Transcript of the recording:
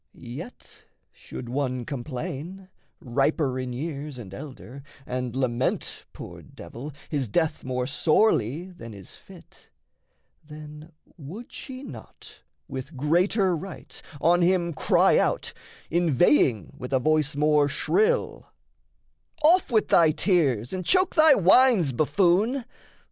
Yet should one complain, Riper in years and elder, and lament, Poor devil, his death more sorely than is fit, Then would she not, with greater right, on him Cry out, inveighing with a voice more shrill: "Off with thy tears, and choke thy whines, buffoon!